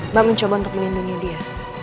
mbak mencoba untuk melindungi dia